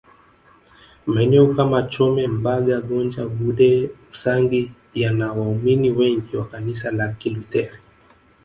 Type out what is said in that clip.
Maeneo kama Chome Mbaga Gonja Vudee Usangi yana waumini wengi wa Kanisa la Kilutheri